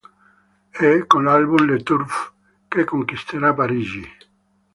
È con l'album "Le Turf" che conquisterà Parigi.